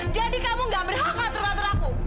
jadi kamu gak berhak atur atur aku